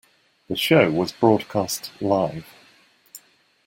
The show was broadcast live.